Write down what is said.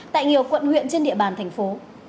tại nhiều quận huyện trên địa bàn thành phố